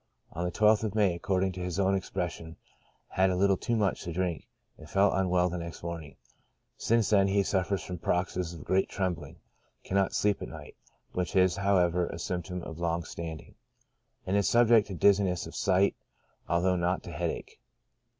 On the 12th of May, according to his own ex pression, had a little too much drink, and felt unwell the next morning ; since then he suffers from paroxysms of great trembling, cannot sleep at night, (which is, however, a symp tom of long standing,) and is subject to dizziness of sight although not to headache.